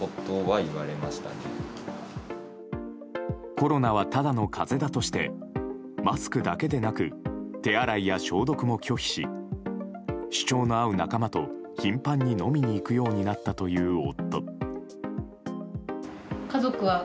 コロナは、ただの風邪だとしてマスクだけでなく手洗いや消毒も拒否し主張の合う仲間と頻繁に飲みに行くようになったという夫。